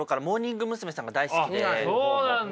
そうなんだ。